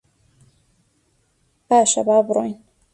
باشە، با بڕۆین.